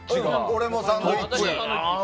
俺もサンドイッチ！